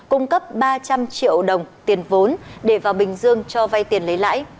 cung cấp ba trăm linh triệu đồng tiền vốn để vào bình dương cho vay tiền lấy lãi